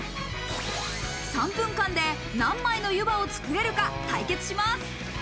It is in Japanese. ３分間で何枚のゆばを作れるか対決します。